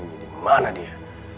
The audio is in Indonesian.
semua ini dimana dia